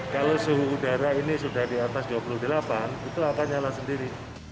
kalau suhu udara ini sudah di atas dua puluh delapan itu akan nyala sendiri